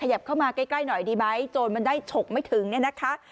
เข้ามาใกล้หน่อยดีไหมโจรมันได้ฉกไม่ถึงเนี่ยนะคะ